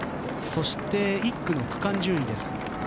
そして、１区の区間順位です。